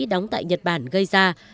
đóng tại nhật bản gây ra